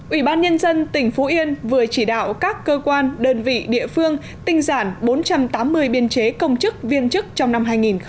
ủy ban nhân dân tỉnh phú yên vừa chỉ đạo các cơ quan đơn vị địa phương tinh giản bốn trăm tám mươi biên chế công chức viên chức trong năm hai nghìn một mươi chín